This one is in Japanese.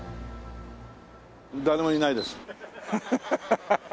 誰もいないです。